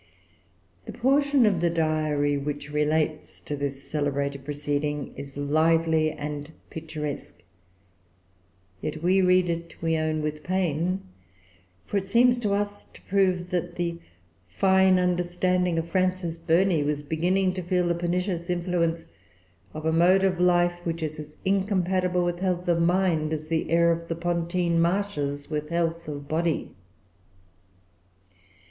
The portion of the Diary which relates to this celebrated proceeding is lively and picturesque. Yet we read it, we own, with pain; for it seems to us to prove that the fine understanding of Frances Burney was beginning to feel the pernicious influence of a mode of life which is as incompatible with health of mind as the air of the Pontine marshes with health of body.